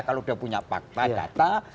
kalau dia punya fakta data